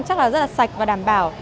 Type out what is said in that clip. chắc là rất là sạch và đảm bảo